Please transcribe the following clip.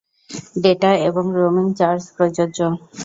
Data এবং roaming charge প্রযোজ্য।